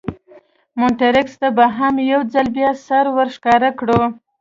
مونټریکس ته به هم یو ځل بیا سر ور ښکاره کړو.